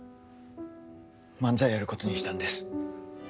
漫才やることにしたんです。